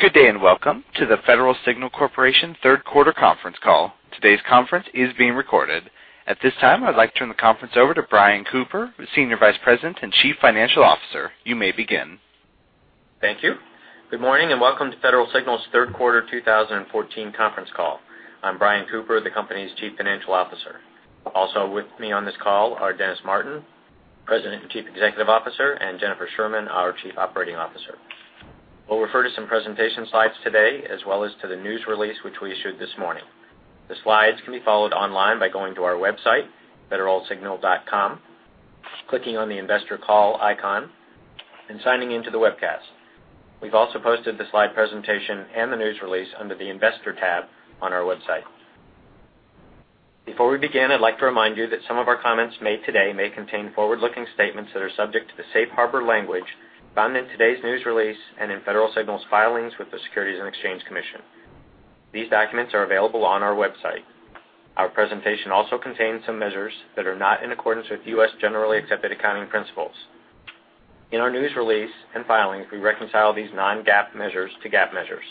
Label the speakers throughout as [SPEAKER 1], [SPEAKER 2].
[SPEAKER 1] Good day. Welcome to the Federal Signal Corporation third quarter conference call. Today's conference is being recorded. At this time, I'd like to turn the conference over to Brian Cooper, Senior Vice President and Chief Financial Officer. You may begin.
[SPEAKER 2] Thank you. Good morning. Welcome to Federal Signal's third quarter 2014 conference call. I'm Brian Cooper, the company's Chief Financial Officer. Also with me on this call are Dennis Martin, President and Chief Executive Officer, and Jennifer Sherman, our Chief Operating Officer. We'll refer to some presentation slides today, as well as to the news release, which we issued this morning. The slides can be followed online by going to our website, federalsignal.com, clicking on the investor call icon, and signing in to the webcast. We've also posted the slide presentation and the news release under the investor tab on our website. Before we begin, I'd like to remind you that some of our comments made today may contain forward-looking statements that are subject to the safe harbor language found in today's news release and in Federal Signal's filings with the Securities and Exchange Commission. These documents are available on our website. Our presentation also contains some measures that are not in accordance with U.S. generally accepted accounting principles. In our news release and filings, we reconcile these non-GAAP measures to GAAP measures.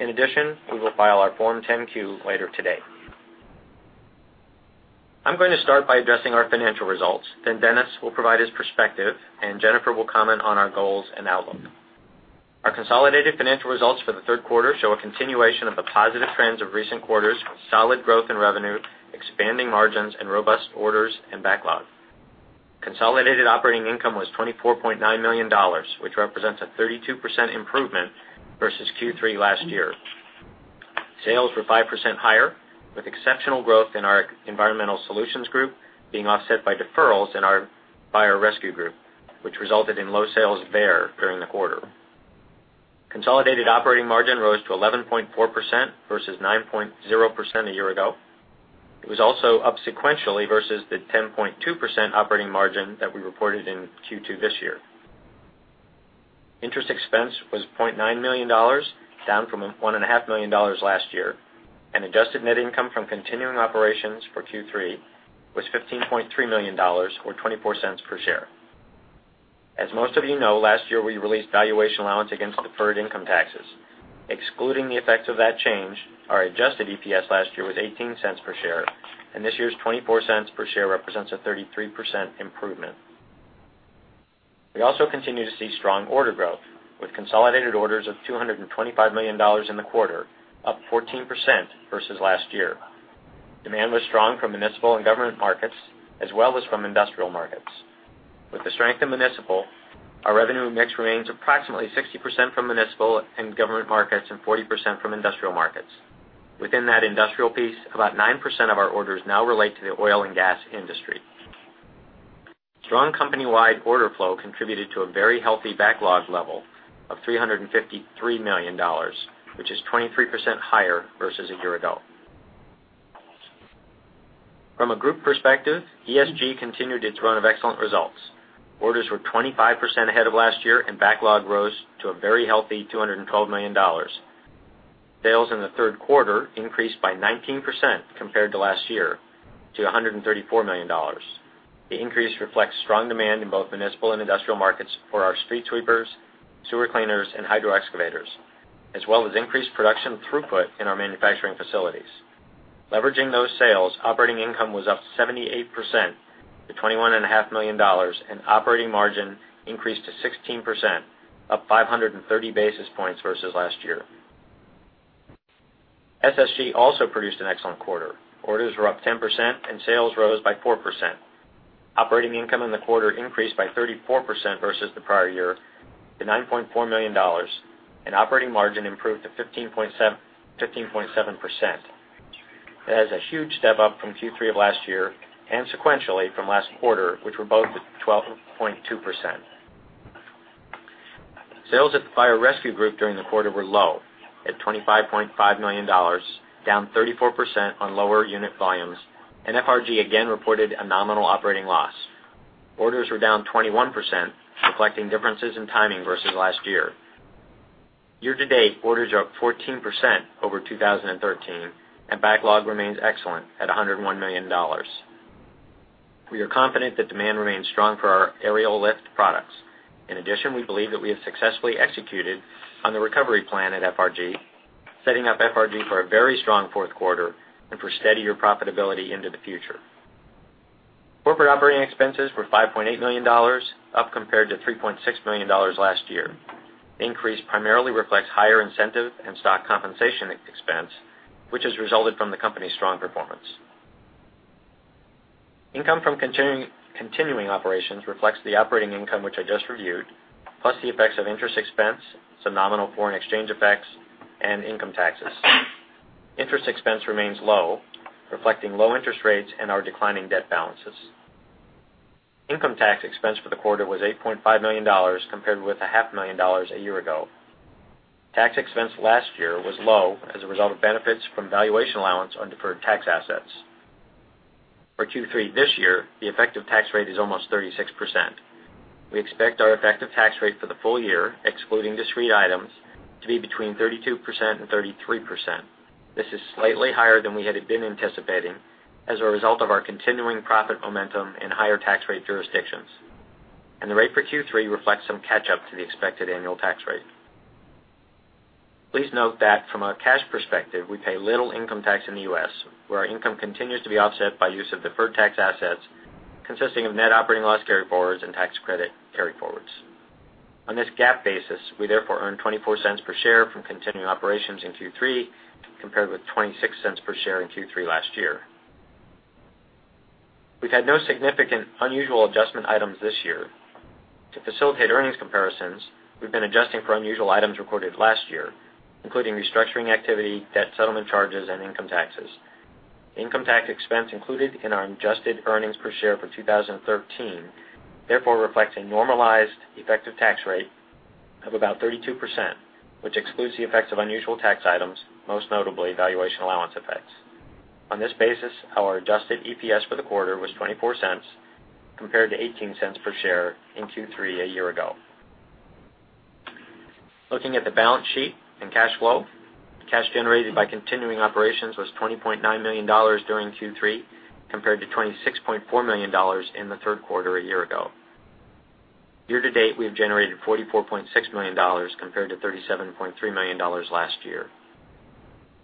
[SPEAKER 2] In addition, we will file our Form 10-Q later today. I'm going to start by addressing our financial results. Dennis will provide his perspective, and Jennifer will comment on our goals and outlook. Our consolidated financial results for the third quarter show a continuation of the positive trends of recent quarters with solid growth in revenue, expanding margins, and robust orders and backlog. Consolidated operating income was $24.9 million, which represents a 32% improvement versus Q3 last year. Sales were 5% higher, with exceptional growth in our Environmental Solutions Group being offset by deferrals in our Fire Rescue Group, which resulted in low sales there during the quarter. Consolidated operating margin rose to 11.4% versus 9.0% a year ago. It was also up sequentially versus the 10.2% operating margin that we reported in Q2 this year. Interest expense was $0.9 million, down from $1.5 million last year. Adjusted net income from continuing operations for Q3 was $15.3 million, or $0.24 per share. As most of you know, last year, we released valuation allowance against deferred income taxes. Excluding the effects of that change, our adjusted EPS last year was $0.18 per share. This year's $0.24 per share represents a 33% improvement. We also continue to see strong order growth with consolidated orders of $225 million in the quarter, up 14% versus last year. Demand was strong from municipal and government markets, as well as from industrial markets. With the strength in municipal, our revenue mix remains approximately 60% from municipal and government markets and 40% from industrial markets. Within that industrial piece, about 9% of our orders now relate to the oil and gas industry. Strong company-wide order flow contributed to a very healthy backlog level of $353 million, which is 23% higher versus a year ago. From a group perspective, ESG continued its run of excellent results. Orders were 25% ahead of last year, and backlog rose to a very healthy $212 million. Sales in the third quarter increased by 19% compared to last year to $134 million. The increase reflects strong demand in both municipal and industrial markets for our street sweepers, sewer cleaners, and hydro excavators, as well as increased production throughput in our manufacturing facilities. Leveraging those sales, operating income was up 78% to $21.5 million, and operating margin increased to 16%, up 530 basis points versus last year. SSG also produced an excellent quarter. Orders were up 10% and sales rose by 4%. Operating income in the quarter increased by 34% versus the prior year to $9.4 million, and operating margin improved to 15.7%. That is a huge step up from Q3 of last year and sequentially from last quarter, which were both at 12.2%. Sales at the Fire Rescue Group during the quarter were low at $25.5 million, down 34% on lower unit volumes, and FRG again reported a nominal operating loss. Orders were down 21%, reflecting differences in timing versus last year. Year to date, orders are up 14% over 2013, and backlog remains excellent at $101 million. We are confident that demand remains strong for our aerial lift products. In addition, we believe that we have successfully executed on the recovery plan at FRG, setting up FRG for a very strong fourth quarter and for steadier profitability into the future. Corporate operating expenses were $5.8 million, up compared to $3.6 million last year. The increase primarily reflects higher incentive and stock compensation expense, which has resulted from the company's strong performance. Income from continuing operations reflects the operating income which I just reviewed, plus the effects of interest expense, some nominal foreign exchange effects, and income taxes. Interest expense remains low, reflecting low interest rates and our declining debt balances. Income tax expense for the quarter was $8.5 million compared with $500,000 a year ago. Tax expense last year was low as a result of benefits from valuation allowance on deferred tax assets. For Q3 this year, the effective tax rate is almost 36%. We expect our effective tax rate for the full year, excluding discrete items, to be between 32%-33%. This is slightly higher than we had been anticipating as a result of our continuing profit momentum in higher tax rate jurisdictions. The rate for Q3 reflects some catch up to the expected annual tax rate. Please note that from a cash perspective, we pay little income tax in the U.S., where our income continues to be offset by use of deferred tax assets consisting of net operating loss carryforwards and tax credit carryforwards. On this GAAP basis, we therefore earned $0.24 per share from continuing operations in Q3, compared with $0.26 per share in Q3 last year. We've had no significant unusual adjustment items this year. To facilitate earnings comparisons, we've been adjusting for unusual items recorded last year, including restructuring activity, debt settlement charges, and income taxes. Income tax expense included in our adjusted earnings per share for 2013, therefore reflects a normalized effective tax rate of about 32%, which excludes the effects of unusual tax items, most notably valuation allowance effects. On this basis, our adjusted EPS for the quarter was $0.24, compared to $0.18 per share in Q3 a year ago. Looking at the balance sheet and cash flow, the cash generated by continuing operations was $20.9 million during Q3, compared to $26.4 million in the third quarter a year ago. Year to date, we have generated $44.6 million compared to $37.3 million last year.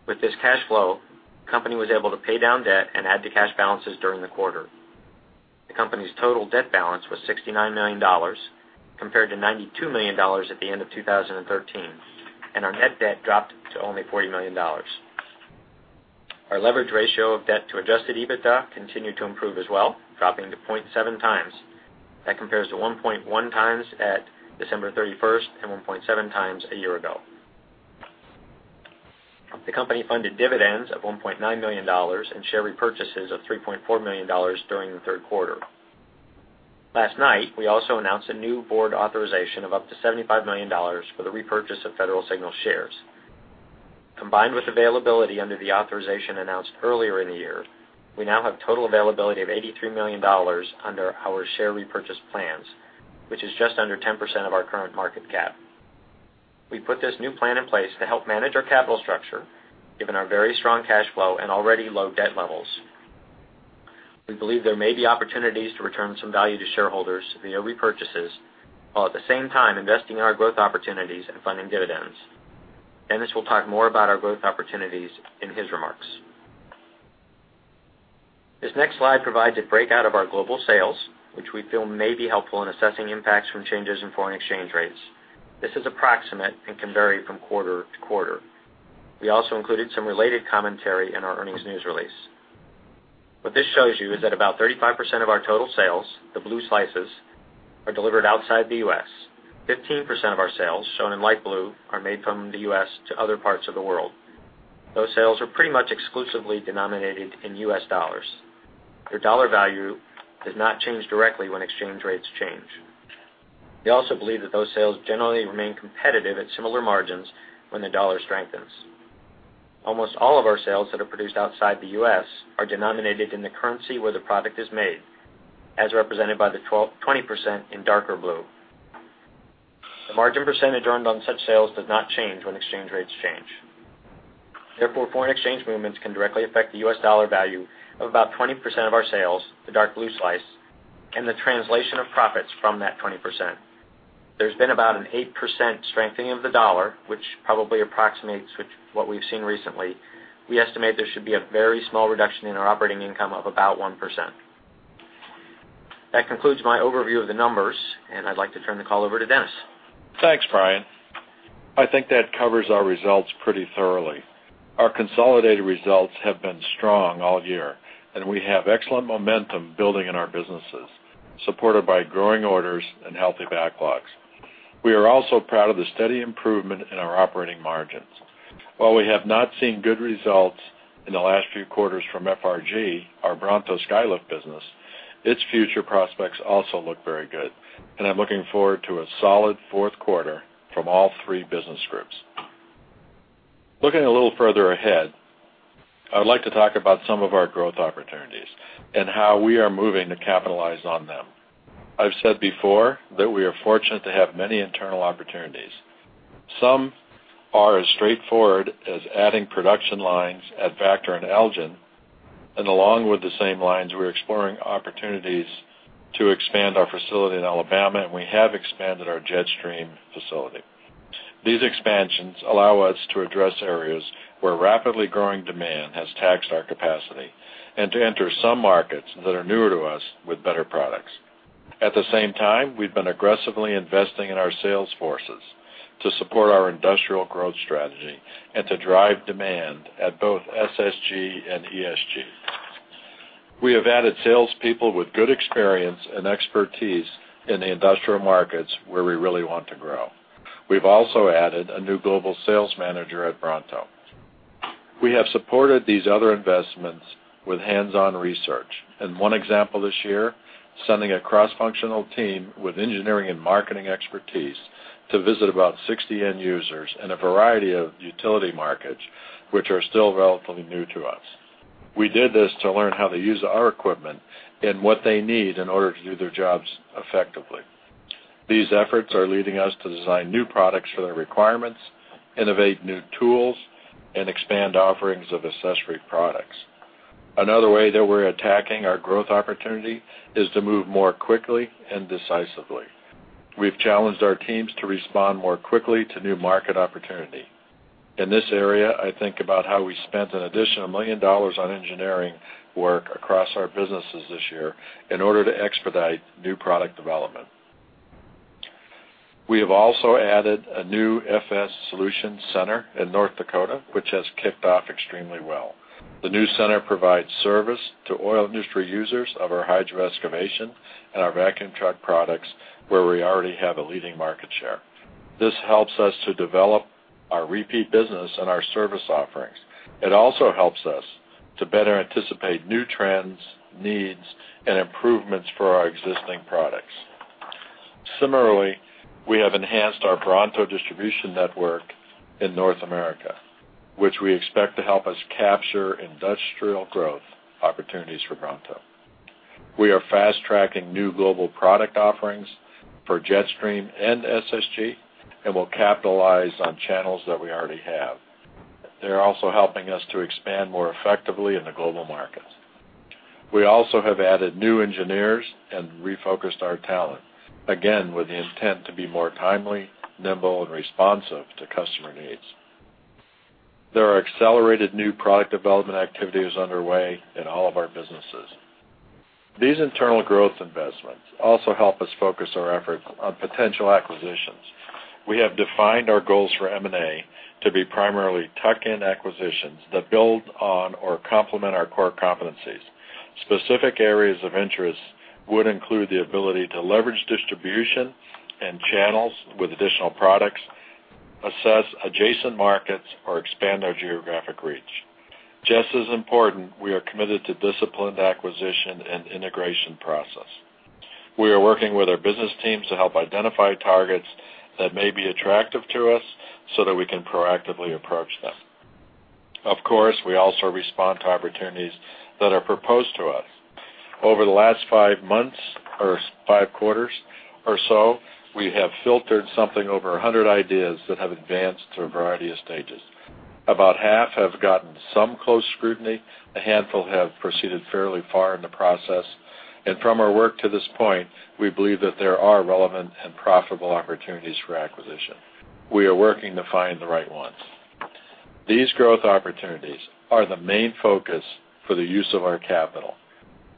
[SPEAKER 2] With this cash flow, the company was able to pay down debt and add to cash balances during the quarter. The company's total debt balance was $69 million compared to $92 million at the end of 2013, and our net debt dropped to only $40 million. Our leverage ratio of debt to adjusted EBITDA continued to improve as well, dropping to 0.7 times. That compares to 1.1 times at December 31st and 1.7 times a year ago. The company funded dividends of $1.9 million and share repurchases of $3.4 million during the third quarter. Last night, we also announced a new board authorization of up to $75 million for the repurchase of Federal Signal shares. Combined with availability under the authorization announced earlier in the year, we now have total availability of $83 million under our share repurchase plans, which is just under 10% of our current market cap. We put this new plan in place to help manage our capital structure, given our very strong cash flow and already low debt levels. We believe there may be opportunities to return some value to shareholders via repurchases, while at the same time investing in our growth opportunities and funding dividends. Dennis will talk more about our growth opportunities in his remarks. This next slide provides a breakout of our global sales, which we feel may be helpful in assessing impacts from changes in foreign exchange rates. This is approximate and can vary from quarter to quarter. We also included some related commentary in our earnings news release. What this shows you is that about 35% of our total sales, the blue slices, are delivered outside the U.S. 15% of our sales, shown in light blue, are made from the U.S. to other parts of the world. Those sales are pretty much exclusively denominated in U.S. dollars. Their dollar value does not change directly when exchange rates change. We also believe that those sales generally remain competitive at similar margins when the dollar strengthens. Almost all of our sales that are produced outside the U.S. are denominated in the currency where the product is made, as represented by the 20% in darker blue. The margin percentage earned on such sales does not change when exchange rates change. Therefore, foreign exchange movements can directly affect the U.S. dollar value of about 20% of our sales, the dark blue slice, and the translation of profits from that 20%. There's been about an 8% strengthening of the dollar, which probably approximates what we've seen recently. We estimate there should be a very small reduction in our operating income of about 1%. That concludes my overview of the numbers. I'd like to turn the call over to Dennis.
[SPEAKER 3] Thanks, Brian. I think that covers our results pretty thoroughly. Our consolidated results have been strong all year. We have excellent momentum building in our businesses, supported by growing orders and healthy backlogs. We are also proud of the steady improvement in our operating margins. While we have not seen good results in the last few quarters from FRG, our Bronto Skylift business, its future prospects also look very good. I'm looking forward to a solid fourth quarter from all three business groups. Looking a little further ahead, I would like to talk about some of our growth opportunities and how we are moving to capitalize on them. I've said before that we are fortunate to have many internal opportunities. Some are as straightforward as adding production lines at Vactor and Elgin. Along with the same lines, we're exploring opportunities to expand our facility in Alabama. We have expanded our Jetstream facility. These expansions allow us to address areas where rapidly growing demand has taxed our capacity and to enter some markets that are newer to us with better products. At the same time, we've been aggressively investing in our sales forces to support our industrial growth strategy and to drive demand at both SSG and ESG. We have added salespeople with good experience and expertise in the industrial markets where we really want to grow. We've also added a new global sales manager at Bronto. We have supported these other investments with hands-on research. One example this year, sending a cross-functional team with engineering and marketing expertise to visit about 60 end users in a variety of utility markets, which are still relatively new to us. We did this to learn how to use our equipment and what they need in order to do their jobs effectively. These efforts are leading us to design new products for their requirements, innovate new tools, and expand offerings of accessory products. Another way that we're attacking our growth opportunity is to move more quickly and decisively. We've challenged our teams to respond more quickly to new market opportunity. In this area, I think about how we spent an additional $1 million on engineering work across our businesses this year in order to expedite new product development. We have also added a new FS Solutions Center in North Dakota, which has kicked off extremely well. The new center provides service to oil industry users of our hydro excavation and our vacuum truck products, where we already have a leading market share. This helps us to develop our repeat business and our service offerings. It also helps us to better anticipate new trends, needs, and improvements for our existing products. Similarly, we have enhanced our Bronto distribution network in North America, which we expect to help us capture industrial growth opportunities for Bronto. We are fast-tracking new global product offerings for Jetstream and SSG. We'll capitalize on channels that we already have. They're also helping us to expand more effectively in the global markets. We also have added new engineers and refocused our talent, again, with the intent to be more timely, nimble, and responsive to customer needs. There are accelerated new product development activities underway in all of our businesses. These internal growth investments also help us focus our efforts on potential acquisitions. We have defined our goals for M&A to be primarily tuck-in acquisitions that build on or complement our core competencies. Specific areas of interest would include the ability to leverage distribution and channels with additional products, assess adjacent markets, or expand our geographic reach. Just as important, we are committed to disciplined acquisition and integration process. We are working with our business teams to help identify targets that may be attractive to us so that we can proactively approach them. Of course, we also respond to opportunities that are proposed to us. Over the last five quarters or so, we have filtered something over 100 ideas that have advanced through a variety of stages. About half have gotten some close scrutiny. A handful have proceeded fairly far in the process. From our work to this point, we believe that there are relevant and profitable opportunities for acquisition. We are working to find the right ones. These growth opportunities are the main focus for the use of our capital.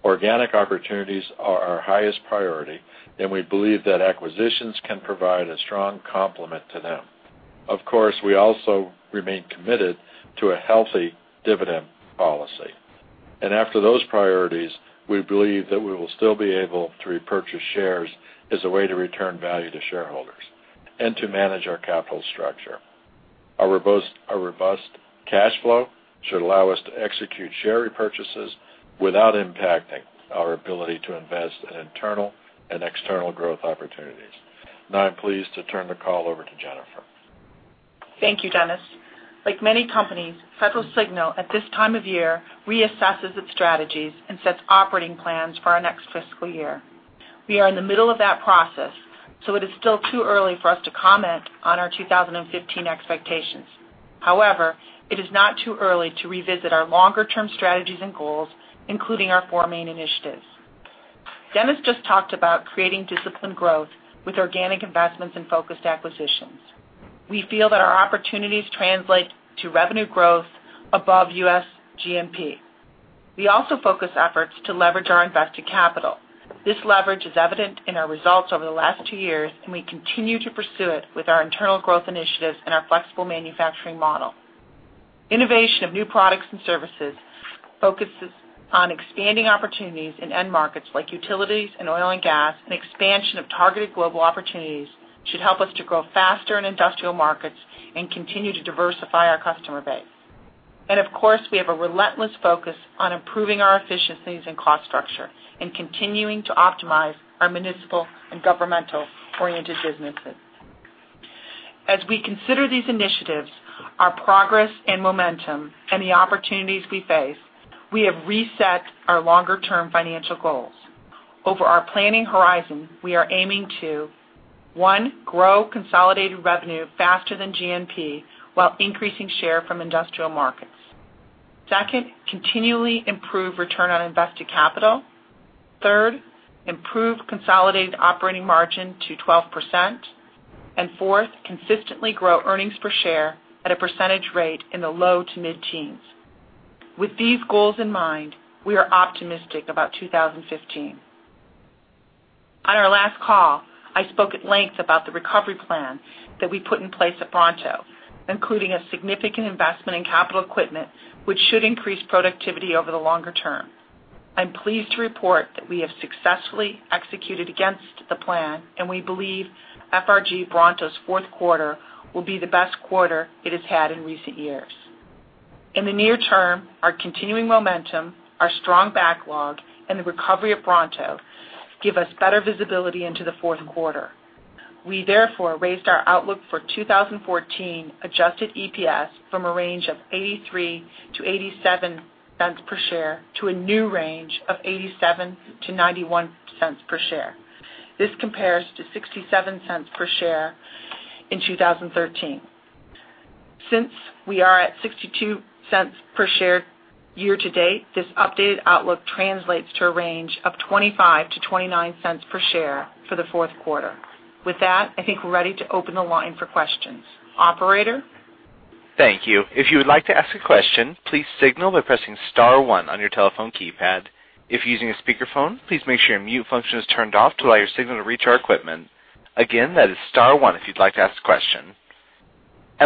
[SPEAKER 3] Organic opportunities are our highest priority, and we believe that acquisitions can provide a strong complement to them. Of course, we also remain committed to a healthy dividend policy. After those priorities, we believe that we will still be able to repurchase shares as a way to return value to shareholders and to manage our capital structure. Our robust cash flow should allow us to execute share repurchases without impacting our ability to invest in internal and external growth opportunities. Now I'm pleased to turn the call over to Jennifer.
[SPEAKER 4] Thank you, Dennis. Like many companies, Federal Signal, at this time of year, reassesses its strategies and sets operating plans for our next fiscal year. We are in the middle of that process, so it is still too early for us to comment on our 2015 expectations. However, it is not too early to revisit our longer-term strategies and goals, including our four main initiatives. Dennis just talked about creating disciplined growth with organic investments and focused acquisitions. We feel that our opportunities translate to revenue growth above U.S. GDP. We also focus efforts to leverage our invested capital. This leverage is evident in our results over the last two years, and we continue to pursue it with our internal growth initiatives and our flexible manufacturing model. Innovation of new products and services focuses on expanding opportunities in end markets like utilities and oil and gas, expansion of targeted global opportunities should help us to grow faster in industrial markets and continue to diversify our customer base. Of course, we have a relentless focus on improving our efficiencies and cost structure and continuing to optimize our municipal and governmental-oriented businesses. As we consider these initiatives, our progress and momentum, and the opportunities we face, we have reset our longer-term financial goals. Over our planning horizon, we are aiming to, one, grow consolidated revenue faster than GDP while increasing share from industrial markets. Second, continually improve return on invested capital. Third, improve consolidated operating margin to 12%. Fourth, consistently grow earnings per share at a percentage rate in the low to mid-teens. With these goals in mind, we are optimistic about 2015. On our last call, I spoke at length about the recovery plan that we put in place at Bronto, including a significant investment in capital equipment, which should increase productivity over the longer term. I'm pleased to report that we have successfully executed against the plan, and we believe FRG Bronto's fourth quarter will be the best quarter it has had in recent years. In the near term, our continuing momentum, our strong backlog, and the recovery of Bronto give us better visibility into the fourth quarter. We therefore raised our outlook for 2014 adjusted EPS from a range of $0.83-$0.87 per share to a new range of $0.87-$0.91 per share. This compares to $0.67 per share in 2013. Since we are at $0.62 per share year to date, this updated outlook translates to a range of $0.25-$0.29 per share for the fourth quarter. With that, I think we're ready to open the line for questions. Operator?
[SPEAKER 1] Thank you. If you would like to ask a question, please signal by pressing star one on your telephone keypad. If using a speakerphone, please make sure your mute function is turned off to allow your signal to reach our equipment. Again, that is star one if you'd like to ask a question.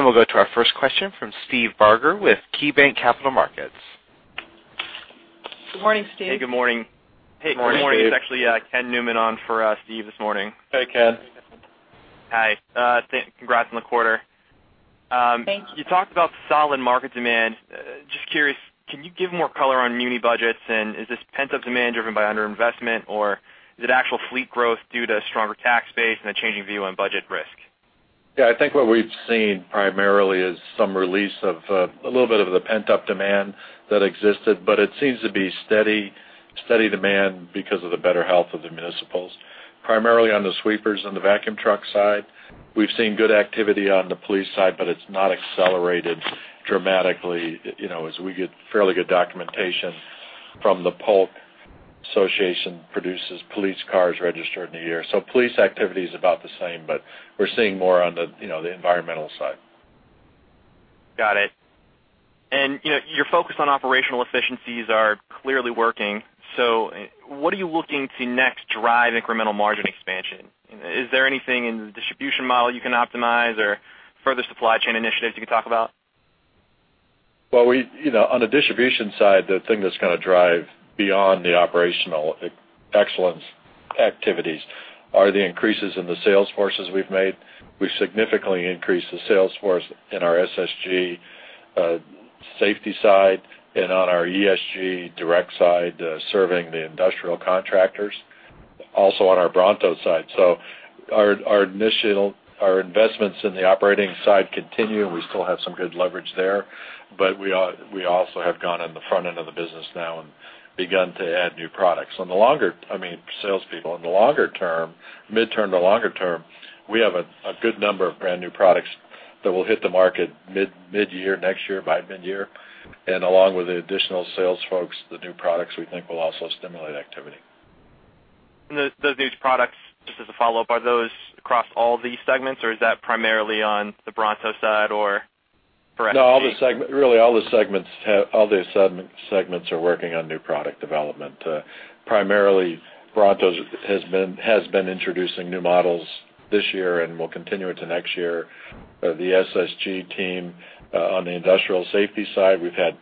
[SPEAKER 1] We'll go to our first question from Steve Barger with KeyBanc Capital Markets.
[SPEAKER 4] Good morning, Steve.
[SPEAKER 5] Hey, good morning.
[SPEAKER 3] Good morning, Steve.
[SPEAKER 5] Hey, good morning. It's actually Ken Newman on for Steve this morning.
[SPEAKER 3] Hey, Ken.
[SPEAKER 5] Hi. Congrats on the quarter.
[SPEAKER 4] Thank you.
[SPEAKER 5] You talked about solid market demand. Just curious, can you give more color on muni budgets? Is this pent-up demand driven by under-investment, or is it actual fleet growth due to stronger tax base and a changing view on budget risk?
[SPEAKER 3] Yeah, I think what we've seen primarily is some release of a little bit of the pent-up demand that existed, but it seems to be steady demand because of the better health of the municipals. Primarily on the sweepers and the vacuum truck side. We've seen good activity on the police side, but it's not accelerated dramatically, as we get fairly good documentation from the Polk association, produces police cars registered in the year. Police activity is about the same, but we're seeing more on the environmental side.
[SPEAKER 5] Got it. Your focus on operational efficiencies are clearly working. What are you looking to next to drive incremental margin expansion? Is there anything in the distribution model you can optimize or further supply chain initiatives you can talk about?
[SPEAKER 3] Well, on the distribution side, the thing that's going to drive beyond the operational excellence activities are the increases in the sales forces we've made. We've significantly increased the sales force in our SSG safety side and on our ESG direct side, serving the industrial contractors, also on our Bronto side. Our investments in the operating side continue, and we still have some good leverage there. We also have gone on the front end of the business now and begun to add new products. I mean, salespeople. In the longer term, mid-term to longer term, we have a good number of brand-new products that will hit the market mid-year next year, by mid-year. Along with the additional sales folks, the new products we think will also stimulate activity.
[SPEAKER 5] Those new products, just as a follow-up, are those across all the segments, or is that primarily on the Bronto side or for ESG?
[SPEAKER 3] Really all the segments are working on new product development. Primarily, Bronto has been introducing new models this year and will continue into next year. The SSG team on the industrial safety side, we've had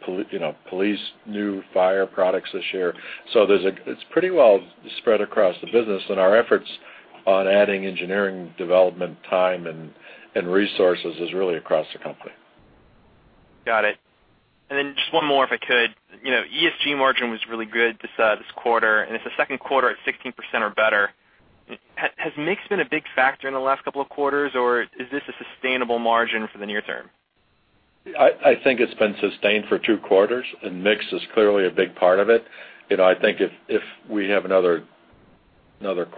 [SPEAKER 3] police, new fire products this year. It's pretty well spread across the business, and our efforts on adding engineering development time and resources is really across the company.
[SPEAKER 5] Got it. Just one more, if I could. ESG margin was really good this quarter, and it's the second quarter at 16% or better. Has mix been a big factor in the last couple of quarters, or is this a sustainable margin for the near term?
[SPEAKER 3] I think it's been sustained for two quarters, mix is clearly a big part of it. I think if we have another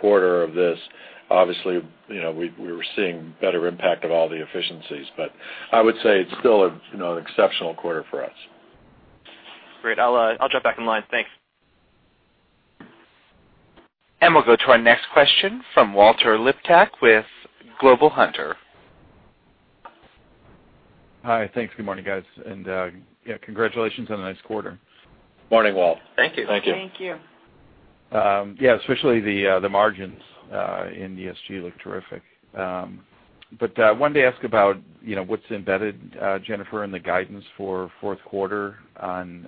[SPEAKER 3] quarter of this, obviously, we're seeing better impact of all the efficiencies. I would say it's still an exceptional quarter for us.
[SPEAKER 5] Great. I'll jump back in line. Thanks.
[SPEAKER 1] We'll go to our next question from Walter Liptak with Global Hunter.
[SPEAKER 6] Hi. Thanks. Good morning, guys. Yeah, congratulations on a nice quarter.
[SPEAKER 3] Morning, Walt. Thank you.
[SPEAKER 4] Thank you.
[SPEAKER 6] Yeah, especially the margins in ESG look terrific. Wanted to ask about what's embedded, Jennifer, in the guidance for fourth quarter on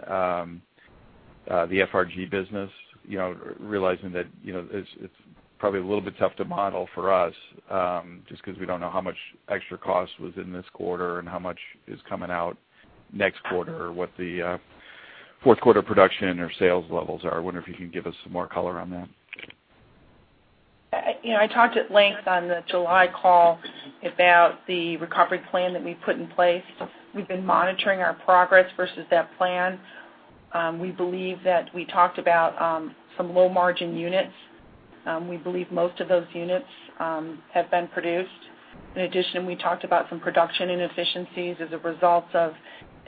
[SPEAKER 6] the FRG business, realizing that it's probably a little bit tough to model for us, just because we don't know how much extra cost was in this quarter and how much is coming out next quarter or what the fourth quarter production or sales levels are. I wonder if you can give us some more color on that.
[SPEAKER 4] I talked at length on the July call about the recovery plan that we put in place. We've been monitoring our progress versus that plan. We believe that we talked about some low-margin units. We believe most of those units have been produced. In addition, we talked about some production inefficiencies as a result of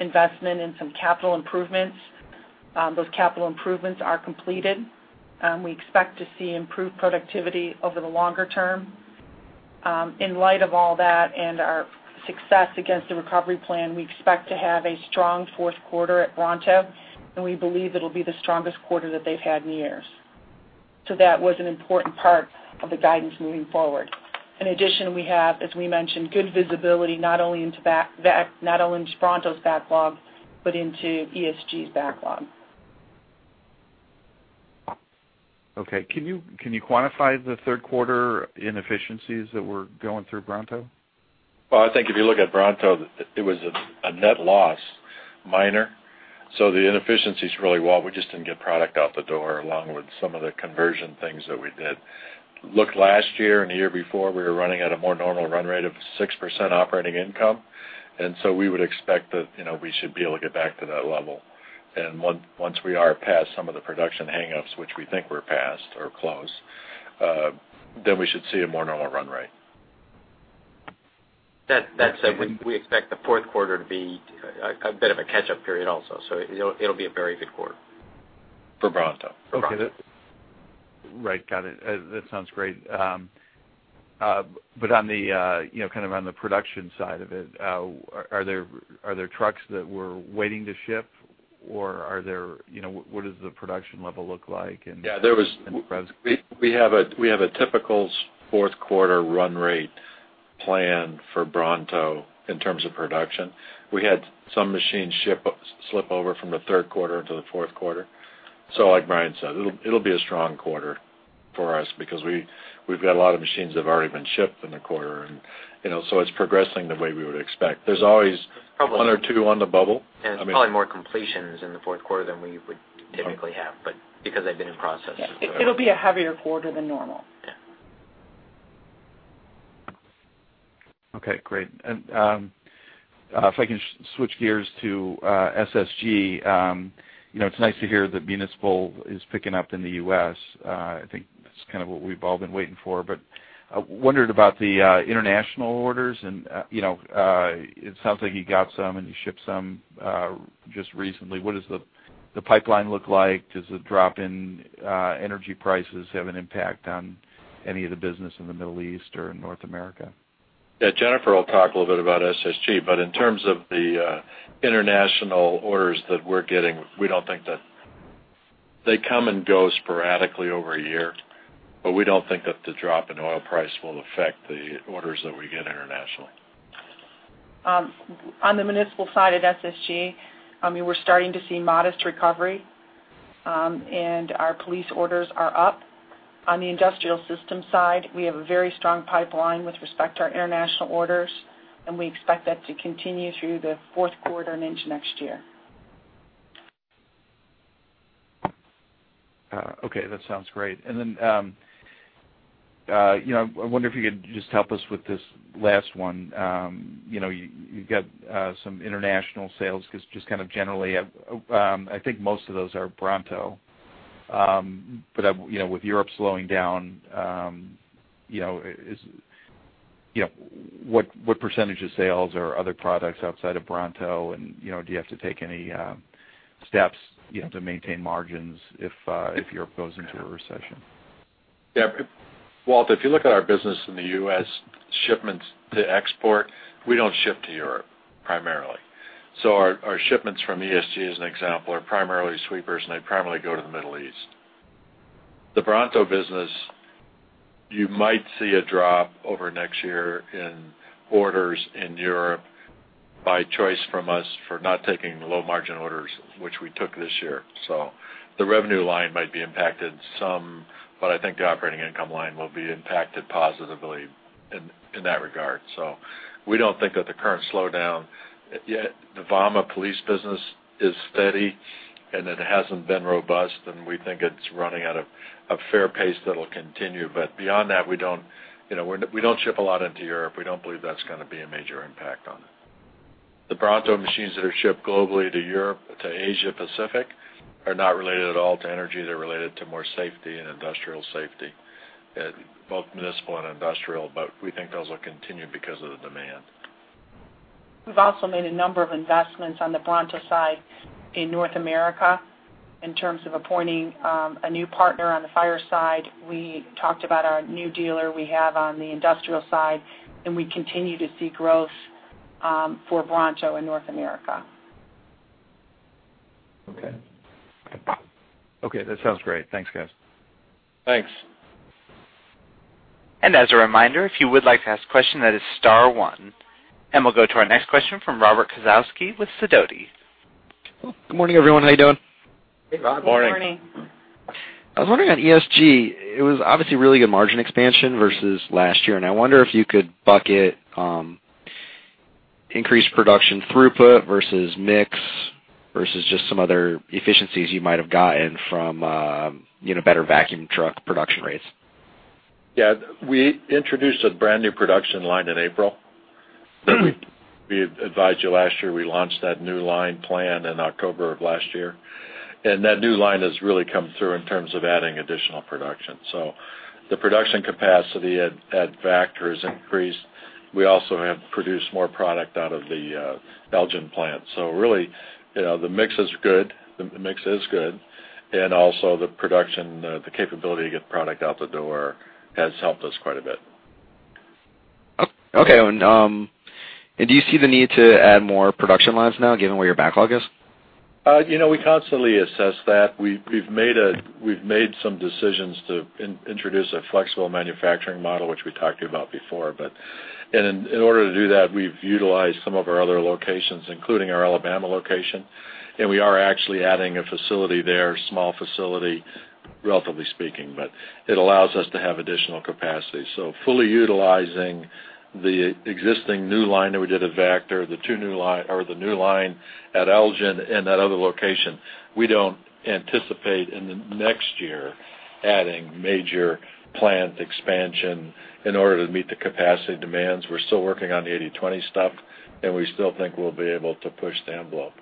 [SPEAKER 4] investment in some capital improvements. Those capital improvements are completed. We expect to see improved productivity over the longer term. In light of all that and our success against the recovery plan, we expect to have a strong fourth quarter at Bronto, and we believe it'll be the strongest quarter that they've had in years. That was an important part of the guidance moving forward. In addition, we have, as we mentioned, good visibility, not only into Bronto's backlog but into ESG's backlog.
[SPEAKER 6] Okay. Can you quantify the third quarter inefficiencies that were going through Bronto?
[SPEAKER 3] Well, I think if you look at Bronto, it was a net loss, minor. The inefficiency is really, Walt, we just didn't get product out the door along with some of the conversion things that we did. Look, last year and the year before, we were running at a more normal run rate of 6% operating income, and we would expect that we should be able to get back to that level. Once we are past some of the production hangups, which we think we're past or close, we should see a more normal run rate.
[SPEAKER 2] That said, we expect the fourth quarter to be a bit of a catch-up period also. It'll be a very good quarter.
[SPEAKER 3] For Bronto.
[SPEAKER 2] For Bronto.
[SPEAKER 6] Okay. Right, got it. That sounds great. On the production side of it, are there trucks that were waiting to ship, or what does the production level look like?
[SPEAKER 3] Yeah, we have a typical fourth quarter run rate plan for Bronto in terms of production. We had some machines slip over from the third quarter into the fourth quarter. Like Brian said, it'll be a strong quarter for us because we've got a lot of machines that have already been shipped in the quarter. It's progressing the way we would expect. There's always one or two on the bubble.
[SPEAKER 2] Probably more completions in the fourth quarter than we would typically have, because they've been in process.
[SPEAKER 4] Yeah. It'll be a heavier quarter than normal.
[SPEAKER 2] Yeah.
[SPEAKER 6] Okay, great. If I can switch gears to SSG. It's nice to hear that municipal is picking up in the U.S. I think that's kind of what we've all been waiting for. I wondered about the international orders, it sounds like you got some, and you shipped some, just recently. What does the pipeline look like? Does the drop in energy prices have an impact on any of the business in the Middle East or in North America?
[SPEAKER 3] Yeah, Jennifer will talk a little bit about SSG. In terms of the international orders that we're getting, they come and go sporadically over a year. We don't think that the drop in oil price will affect the orders that we get internationally.
[SPEAKER 4] On the municipal side of SSG, we're starting to see modest recovery, our police orders are up. On the industrial system side, we have a very strong pipeline with respect to our international orders, we expect that to continue through the fourth quarter and into next year.
[SPEAKER 6] Okay. That sounds great. I wonder if you could just help us with this last one. You've got some international sales because just kind of generally, I think most of those are Bronto. With Europe slowing down, what percentage of sales or other products outside of Bronto, do you have to take any steps to maintain margins if Europe goes into a recession?
[SPEAKER 3] Yeah. Walt, if you look at our business in the U.S., shipments to export, we don't ship to Europe primarily. Our shipments from ESG as an example, are primarily sweepers, they primarily go to the Middle East. The Bronto business, you might see a drop over next year in orders in Europe by choice from us for not taking the low-margin orders, which we took this year. The revenue line might be impacted some, I think the operating income line will be impacted positively in that regard. We don't think that the current slowdown. The Vama police business is steady, it hasn't been robust, and we think it's running at a fair pace that'll continue. Beyond that, we don't ship a lot into Europe. We don't believe that's going to be a major impact on it. The Bronto machines that are shipped globally to Europe, to Asia Pacific, are not related at all to energy. They're related to more safety and industrial safety, both municipal and industrial, we think those will continue because of the demand.
[SPEAKER 4] We've also made a number of investments on the Bronto side in North America in terms of appointing a new partner on the fire side. We talked about our new dealer we have on the industrial side, we continue to see growth for Bronto in North America.
[SPEAKER 6] Okay. Okay, that sounds great. Thanks, guys.
[SPEAKER 3] Thanks.
[SPEAKER 1] As a reminder, if you would like to ask a question, that is star one. We'll go to our next question from Robert Kosowsky with Sidoti.
[SPEAKER 7] Good morning, everyone. How you doing?
[SPEAKER 6] Hey, Rob. Morning.
[SPEAKER 4] Good morning.
[SPEAKER 7] I was wondering on ESG, it was obviously really good margin expansion versus last year. I wonder if you could bucket increased production throughput versus mix, versus just some other efficiencies you might have gotten from better vacuum truck production rates.
[SPEAKER 3] Yeah. We introduced a brand-new production line in April. We advised you last year, we launched that new line plan in October of last year. That new line has really come through in terms of adding additional production. The production capacity at Vactor has increased. We also have produced more product out of the Elgin plant. Really, the mix is good, and also the production, the capability to get product out the door has helped us quite a bit.
[SPEAKER 7] Okay. Do you see the need to add more production lines now given where your backlog is?
[SPEAKER 3] We constantly assess that. We've made some decisions to introduce a flexible manufacturing model, which we talked to you about before. In order to do that, we've utilized some of our other locations, including our Alabama location, and we are actually adding a facility there, small facility, relatively speaking, but it allows us to have additional capacity. Fully utilizing the existing new line that we did at Vactor, the new line at Elgin and that other location. We don't anticipate in the next year adding major plant expansion in order to meet the capacity demands. We're still working on the 80/20 stuff, and we still think we'll be able to push the envelope.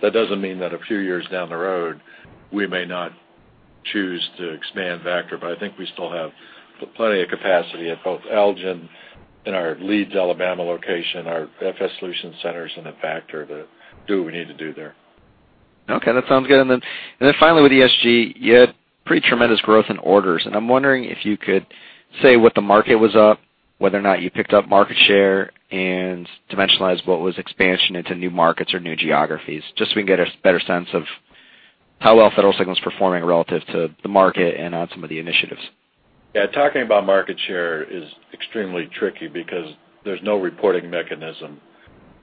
[SPEAKER 3] That doesn't mean that a few years down the road, we may not choose to expand Vactor, but I think we still have plenty of capacity at both Elgin and our Leeds, Alabama location, our FS Solutions Centers in the Vactor to do what we need to do there.
[SPEAKER 7] Okay, that sounds good. Finally with ESG, you had pretty tremendous growth in orders, and I'm wondering if you could say what the market was up, whether or not you picked up market share, and dimensionalize what was expansion into new markets or new geographies, just so we can get a better sense of how well Federal Signal is performing relative to the market and on some of the initiatives.
[SPEAKER 3] Yeah. Talking about market share is extremely tricky because there's no reporting mechanism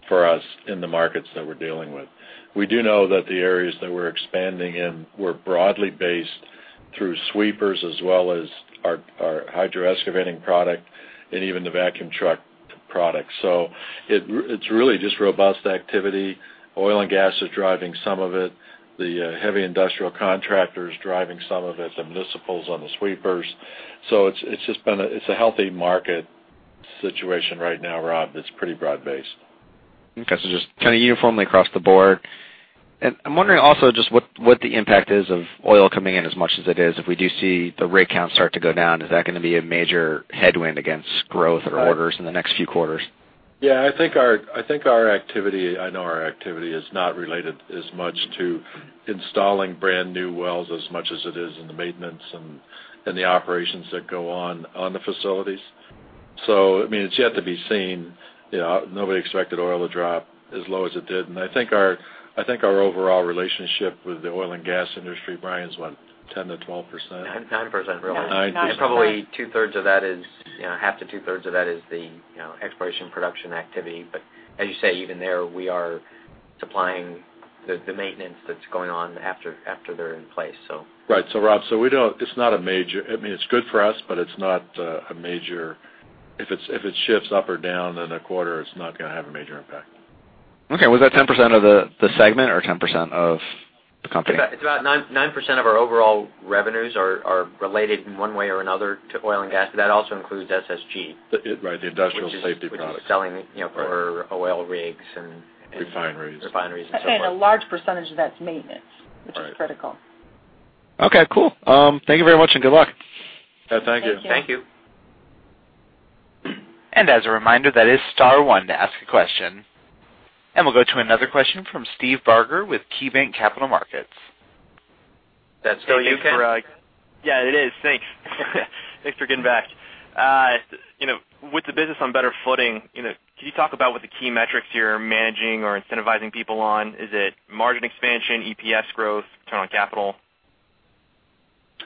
[SPEAKER 3] for us in the markets that we're dealing with. We do know that the areas that we're expanding in were broadly based through sweepers as well as our hydro excavating product and even the vacuum truck product. It's really just robust activity. Oil and gas is driving some of it. The heavy industrial contractor is driving some of it, the municipals on the sweepers. It's a healthy market situation right now, Rob. It's pretty broad based.
[SPEAKER 7] Okay. Just kind of uniformly across the board. I'm wondering also just what the impact is of oil coming in as much as it is. If we do see the rig count start to go down, is that going to be a major headwind against growth or orders in the next few quarters?
[SPEAKER 3] Yeah, I think our activity, I know our activity is not related as much to installing brand new wells as much as it is in the maintenance and the operations that go on the facilities. It's yet to be seen. Nobody expected oil to drop as low as it did, and I think our overall relationship with the oil and gas industry, Brian's what? 10%-12%?
[SPEAKER 2] 9% really.
[SPEAKER 3] 9%.
[SPEAKER 2] Probably half to two-thirds of that is the exploration production activity. As you say, even there, we are supplying the maintenance that's going on after they're in place.
[SPEAKER 3] Right. Rob, it's good for us, but if it shifts up or down in a quarter, it's not going to have a major impact.
[SPEAKER 7] Okay. Was that 10% of the segment or 10% of the company?
[SPEAKER 2] It's about 9% of our overall revenues are related in one way or another to oil and gas, but that also includes SSG.
[SPEAKER 3] Right, the industrial safety products.
[SPEAKER 2] Which is selling for oil rigs and-
[SPEAKER 3] Refineries
[SPEAKER 2] refineries and so on.
[SPEAKER 4] A large percentage of that's maintenance, which is critical.
[SPEAKER 7] Okay, cool. Thank you very much and good luck.
[SPEAKER 3] Yeah, thank you.
[SPEAKER 4] Thank you.
[SPEAKER 2] Thank you.
[SPEAKER 1] As a reminder, that is star one to ask a question. We'll go to another question from Steve Barger with KeyBanc Capital Markets.
[SPEAKER 7] That's for you, Steve.
[SPEAKER 5] Yeah, it is. Thanks. Thanks for getting back. With the business on better footing, can you talk about what the key metrics you're managing or incentivizing people on? Is it margin expansion, EPS growth, return on capital?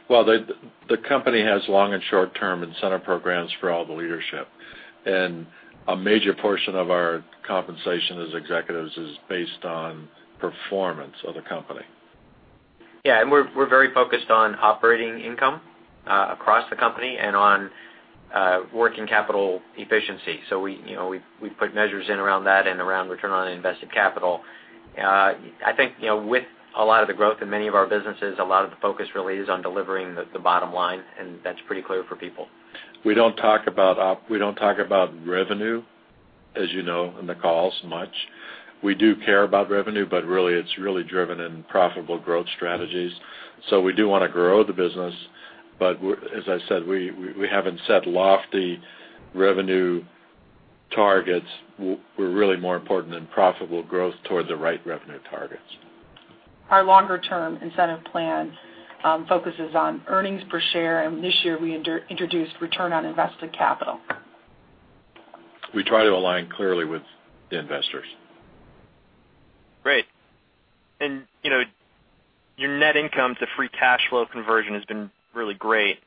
[SPEAKER 3] Well, the company has long and short term incentive programs for all the leadership, and a major portion of our compensation as executives is based on performance of the company.
[SPEAKER 2] Yeah. We're very focused on operating income, across the company and on working capital efficiency. We put measures in around that and around return on invested capital. I think, with a lot of the growth in many of our businesses, a lot of the focus really is on delivering the bottom line, and that's pretty clear for people.
[SPEAKER 3] We don't talk about revenue, as you know, in the calls much. We do care about revenue, but it's really driven in profitable growth strategies. We do want to grow the business, but as I said, we haven't set lofty revenue targets. We're really more important than profitable growth towards the right revenue targets.
[SPEAKER 4] Our longer term incentive plan focuses on earnings per share. This year we introduced return on invested capital.
[SPEAKER 3] We try to align clearly with the investors.
[SPEAKER 5] Great. Your net income to free cash flow conversion has been really great.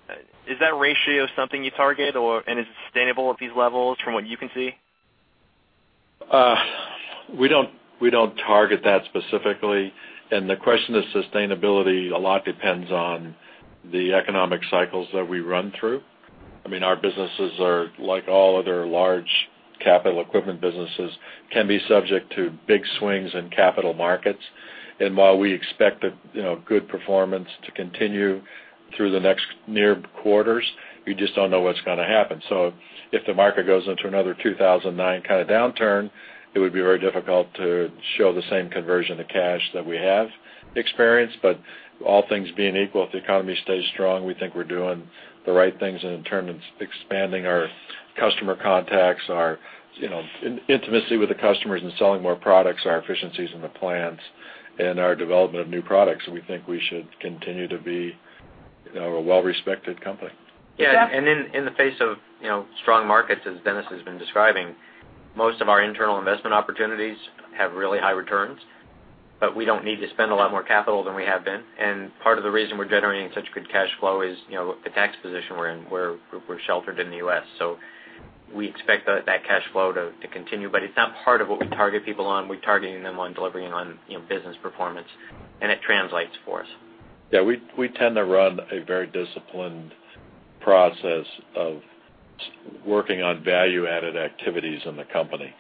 [SPEAKER 5] Is that ratio something you target, and is it sustainable at these levels from what you can see?
[SPEAKER 3] We don't target that specifically. The question of sustainability, a lot depends on the economic cycles that we run through. Our businesses are like all other large capital equipment businesses, can be subject to big swings in capital markets. While we expect a good performance to continue through the next near quarters, we just don't know what's going to happen. If the market goes into another 2009 kind of downturn, it would be very difficult to show the same conversion to cash that we have experienced. All things being equal, if the economy stays strong, we think we're doing the right things in terms of expanding our customer contacts, our intimacy with the customers and selling more products, our efficiencies in the plants, and our development of new products. We think we should continue to be a well-respected company.
[SPEAKER 2] Yeah. In the face of strong markets, as Dennis has been describing, most of our internal investment opportunities have really high returns, but we don't need to spend a lot more capital than we have been. Part of the reason we're generating such good cash flow is, the tax position we're in, we're sheltered in the U.S. We expect that cash flow to continue, but it's not part of what we target people on. We're targeting them on delivering on business performance, and it translates for us.
[SPEAKER 3] Yeah. We tend to run a very disciplined process of working on value-added activities in the company.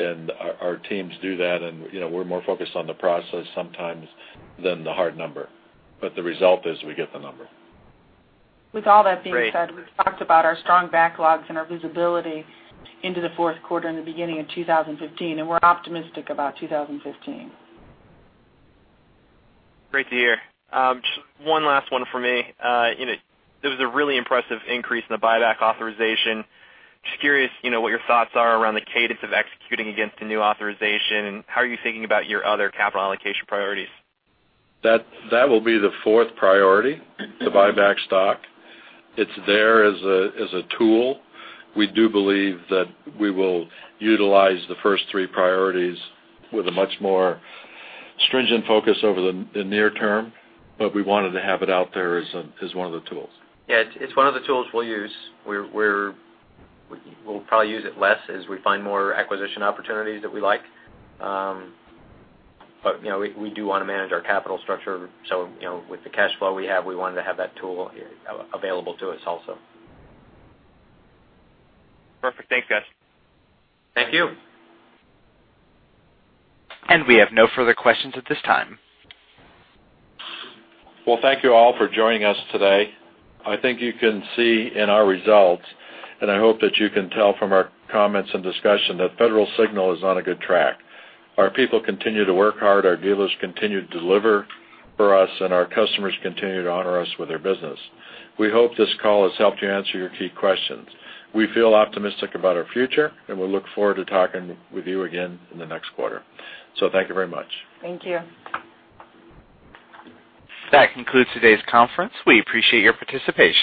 [SPEAKER 3] Our teams do that, and we're more focused on the process sometimes than the hard number. The result is we get the number.
[SPEAKER 4] With all that being said, we've talked about our strong backlogs and our visibility into the fourth quarter and the beginning of 2015, and we're optimistic about 2015.
[SPEAKER 5] Great to hear. Just one last one from me. This was a really impressive increase in the buyback authorization. Just curious, what your thoughts are around the cadence of executing against the new authorization, and how are you thinking about your other capital allocation priorities?
[SPEAKER 3] That will be the fourth priority, to buy back stock. It's there as a tool. We do believe that we will utilize the first three priorities with a much more stringent focus over the near term. We wanted to have it out there as one of the tools.
[SPEAKER 2] Yeah. It's one of the tools we'll use. We'll probably use it less as we find more acquisition opportunities that we like. We do want to manage our capital structure, so with the cash flow we have, we wanted to have that tool available to us also.
[SPEAKER 5] Perfect. Thanks, guys.
[SPEAKER 2] Thank you.
[SPEAKER 1] We have no further questions at this time.
[SPEAKER 3] Thank you all for joining us today. I think you can see in our results, and I hope that you can tell from our comments and discussion that Federal Signal is on a good track. Our people continue to work hard, our dealers continue to deliver for us, and our customers continue to honor us with their business. We hope this call has helped to answer your key questions. We feel optimistic about our future, and we look forward to talking with you again in the next quarter. Thank you very much.
[SPEAKER 4] Thank you.
[SPEAKER 1] That concludes today's conference. We appreciate your participation.